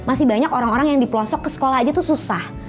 masih banyak orang orang yang di pelosok ke sekolah aja tuh susah